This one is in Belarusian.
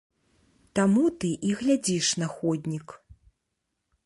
Таму ты і глядзіш на ходнік.